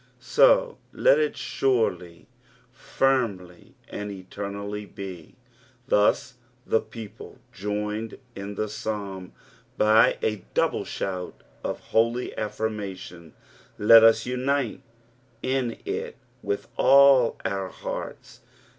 So let it surely, firmly, «ad otemslly be. Thus the people joined in the Psalm by n double shout of holy affirmation ; let us unite in it with all our hearts.